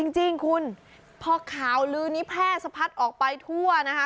จริงคุณพอข่าวลื้อนี้แพร่สะพัดออกไปทั่วนะคะ